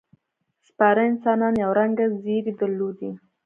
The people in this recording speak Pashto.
سپاره انسانان یو رنګه ځېرې درلودې.